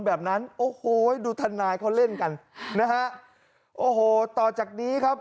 แบบนั้นโอ้โหดูทนายเขาเล่นกันนะฮะโอ้โหต่อจากนี้ครับ